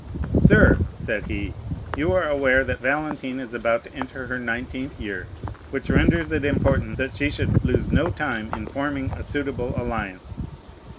"Sir," said he, "you are aware that Valentine is about to enter her nineteenth year, which renders it important that she should lose no time in forming a suitable alliance.